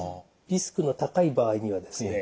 リスクの高い場合にはですね